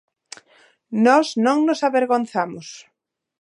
Nós non nos avergonzamos.